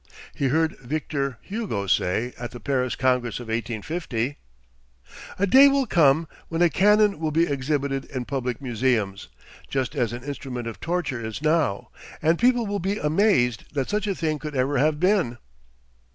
He heard Victor Hugo say at the Paris Congress of 1850: "A day will come when a cannon will be exhibited in public museums, just as an instrument of torture is now, and people will be amazed that such a thing could ever have been."